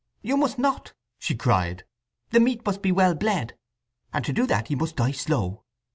"You must not!" she cried. "The meat must be well bled, and to do that he must die slow.